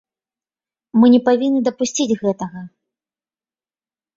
Мы не павінны дапусціць гэтага.